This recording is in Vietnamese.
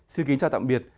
xin kính chào tạm biệt